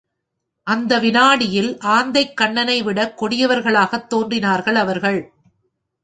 அந்த விநாடியில் ஆந்தைக்கண்ணனைவிடக் கொடியவர்களாகத் தோன்றினார்கள் அவர்கள்.